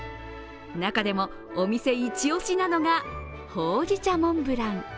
中でも、お店イチオシなのが、ほうじ茶モンブラン。